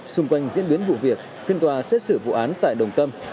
xung quanh diễn biến vụ việc phiên tòa xét xử vụ án tại đồng tâm